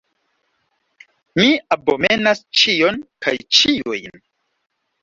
Mi abomenas ĉion kaj ĉiujn!